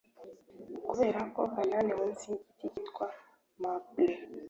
kuberako alain, munsi yigiti cyitwa maple